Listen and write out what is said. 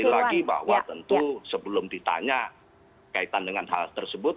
sekali lagi bahwa tentu sebelum ditanya kaitan dengan hal tersebut